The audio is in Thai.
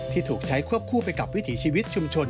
ถูกใช้ควบคู่ไปกับวิถีชีวิตชุมชน